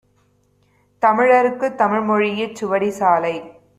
தமிழர்க்குத் தமிழ்மொழியிற் சுவடிச் சாலை